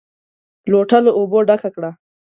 لوټه له اوبو ډکه کړه!